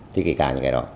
thì kể cả những cái đó